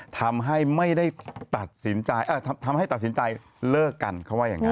ทำให้ตัดสินใจเลิกกันเขาว่าอย่างนั้น